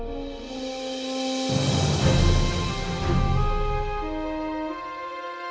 ที่สุดท้าย